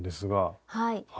はい。